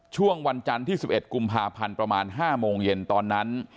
ช่วงวันจันทร์ที่๑๑กุมภาพันธ์ประมาณ๕โมงเย็นตอนนั้น